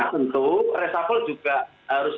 nah untuk resapel juga harus